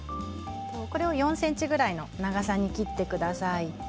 これを４ｃｍぐらいの長さに切ってください。